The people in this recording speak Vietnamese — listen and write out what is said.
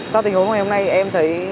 sau tình huống ngày hôm nay em thấy